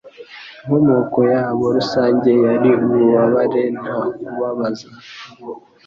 Inkomoko yabo rusange yari ububabare nta kubabaza